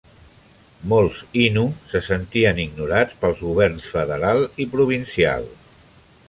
Molts innu se sentien ignorats pels governs federal i provincial.